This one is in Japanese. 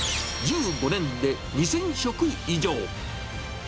１５年で２０００食以上。